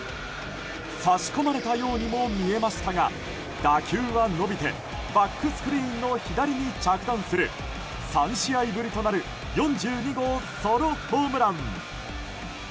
差し込まれたようにも見えましたが打球は伸びてバックスクリーンの左に着弾する３試合ぶりとなる４２号ソロホームラン！